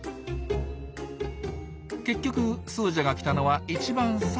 結局スージャが来たのは一番最後。